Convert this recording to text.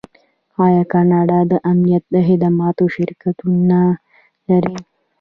آیا کاناډا د امنیتي خدماتو شرکتونه نلري؟